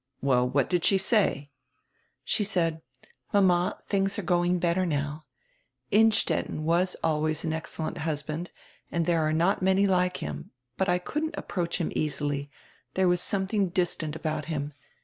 "Well, what did she say?" "She said: 'Mama, tilings are going better now. Inn stetten was always an excellent husband, and there are not many like him, but I couldn't approach him easily, there was something distant about him.